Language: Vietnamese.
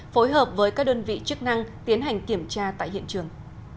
phối hợp với các đơn vị chức năng tiến hành kiểm tra tại hiện trường